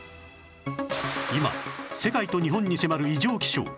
今世界と日本に迫る異常気象